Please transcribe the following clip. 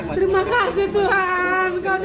terima kasih tuhan kau dengarkan doa kami